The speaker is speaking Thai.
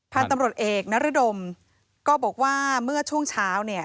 พันธุ์ตำรวจเอกนรดมก็บอกว่าเมื่อช่วงเช้าเนี่ย